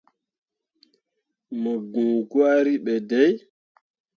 Mo giŋ gwari ɓe dai.